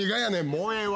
もうええわ。